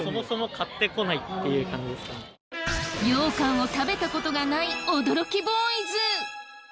羊かんを食べたことがない驚きボーイズ！